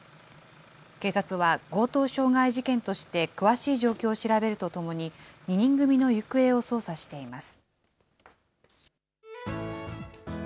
警察は強盗傷害事件として詳しい状況を調べるとともに、２人組の行方を捜査しています。